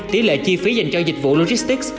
tí lệ chi phí dành cho dịch vụ logistics